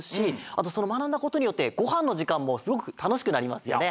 あとそのまなんだことによってごはんのじかんもすごくたのしくなりますよね。